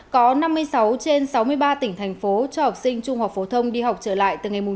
có năm mươi sáu trên sáu mươi ba tỉnh thành phố cho học sinh trung học phổ thông đi học trở lại từ ngày một tháng tám